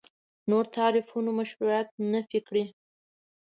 نورو تعریفونو مشروعیت نفي کړي.